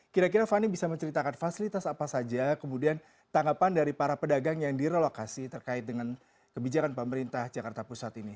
kira kira fani bisa menceritakan fasilitas apa saja kemudian tanggapan dari para pedagang yang direlokasi terkait dengan kebijakan pemerintah jakarta pusat ini